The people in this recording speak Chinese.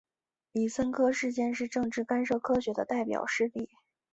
李森科事件是政治干涉科学的代表事例。